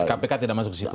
kpk tidak masuk ke situ